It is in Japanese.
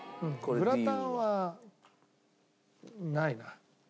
グラタンはない？